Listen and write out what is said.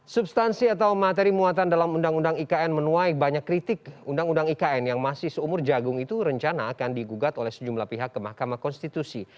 substansi atau materi muatan dalam undang undang ikn menuai banyak kritik undang undang ikn yang masih seumur jagung itu rencana akan digugat oleh sejumlah pihak ke mahkamah konstitusi